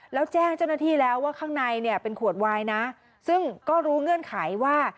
แล้วแจ้งเจ้าหน้าที่แล้วว่าข้างในเนี่ยเป็นขวดวายนะซึ่งก็รู้เงื่อนไขว่า